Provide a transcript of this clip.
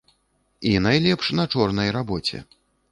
І найлепш на чорнай рабоце.